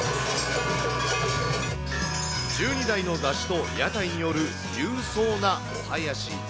１２台の山車と屋台による勇壮なお囃子。